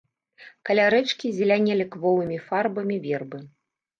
Каля рэчкі зелянелі кволымі фарбамі вербы.